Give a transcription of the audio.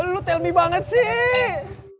lu telmi banget sih